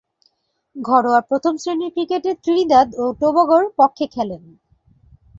ঘরোয়া প্রথম-শ্রেণীর ক্রিকেটে ত্রিনিদাদ ও টোবাগোর পক্ষে খেলেন।